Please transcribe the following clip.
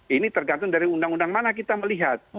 ini tergantung dari undang undang mana kita melihat